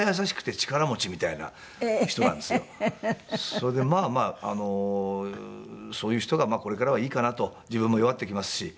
それでまあまあそういう人がこれからはいいかなと自分も弱ってきますし。